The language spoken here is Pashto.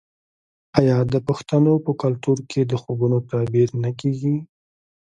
آیا د پښتنو په کلتور کې د خوبونو تعبیر نه کیږي؟